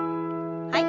はい。